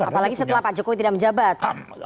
apalagi setelah pak jokowi tidak menjabat